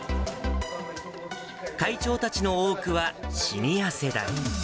会長たちの多くはシニア世代。